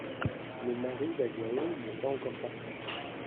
Le mari d’Aglaé n’est pas encore parti.